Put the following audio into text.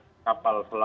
mengusap ke dasar laut